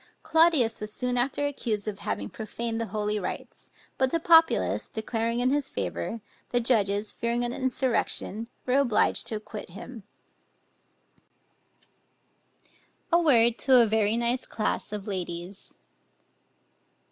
Claudius was soon after accused of having profaned the holy rites; but the populace declaring in his favor, the judges, fearing an insurrection, were obliged to acquit him. Masonry A WORD TO A VERY NICE CLASS OF LADIES.